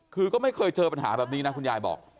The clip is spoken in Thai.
คือก็ไม่เคยเจอปัญหาแบบนี้นะคุณยายบอก